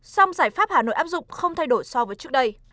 song giải pháp hà nội áp dụng không thay đổi so với trước đây